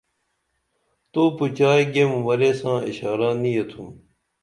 تو پُچائی گیم ورے ساں اشارہ نی ییتُھم